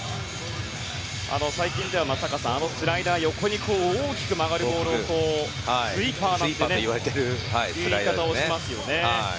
最近ではスライダー横に大きく曲がるボールをスイーパーなんていう言い方をしますよね。